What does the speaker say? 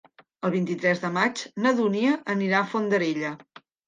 El vint-i-tres de maig na Dúnia anirà a Fondarella.